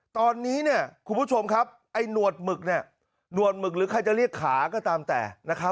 ตอนนี้คุณผู้ชมครับหนวดมึกหรือใครจะเรียกขาก็ตามแต่